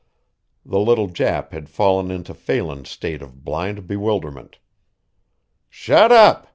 The little Jap had fallen into Phelan's state of blind bewilderment. "Shut up!"